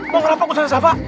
mau merambuk ustaz esafa